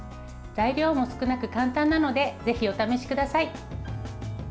材料も少なく簡単なのでぜひお試しください。